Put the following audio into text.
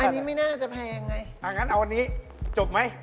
อันนี้ไม่น่าจะแพงไงอ่างั้นเอาอันนี้จบไหม